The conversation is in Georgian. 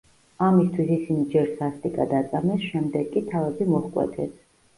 ამისთვის ისინი ჯერ სასტიკად აწამეს, შემდეგ კი თავები მოჰკვეთეს.